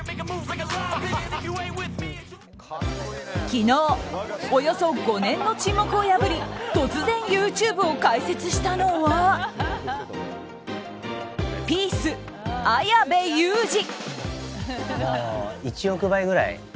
昨日、およそ５年の沈黙を破り突然、ＹｏｕＴｕｂｅを開設したのはピース、綾部祐二。